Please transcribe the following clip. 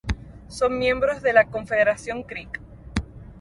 Son miembros de la Confederación Creek.